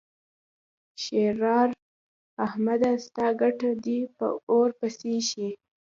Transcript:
ښېرار: احمده! ستا ګټه دې په اور پسې شي.